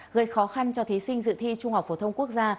gây khó khăn cho thí sinh dự thi trung học phổ thông quốc gia